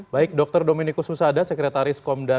baik dr dominiko susada sekretaris komda